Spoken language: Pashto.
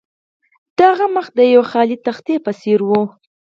د هغه مخ د یوې خالي تختې په څیر و